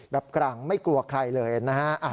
กลางไม่กลัวใครเลยนะฮะ